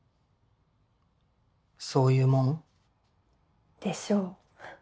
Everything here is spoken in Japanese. そういうもん？でしょ。